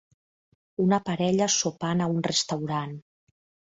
Una parella sopant a un restaurant.